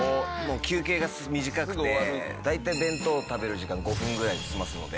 休憩が短くて大体、弁当を食べる時間５分ぐらいで済ますので。